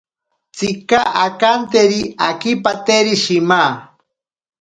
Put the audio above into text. Tsika akanteri akipateri shima.